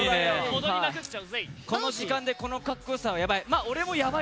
この時間でこのかっこよさはやばい。